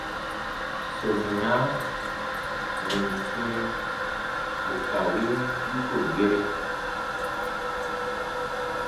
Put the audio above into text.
Sominaa winsi ù ka win yiko gere.